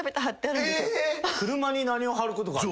車に何を貼ることがある？